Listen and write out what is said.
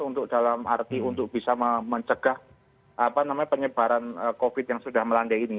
untuk dalam arti untuk bisa mencegah penyebaran covid yang sudah melandai ini